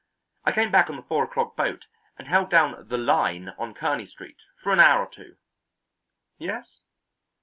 I came back on the four o'clock boat and held down the 'line' on Kearney Street for an hour or two." "Yes?"